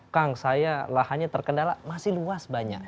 kang saya lahannya terkendala masih luas banyak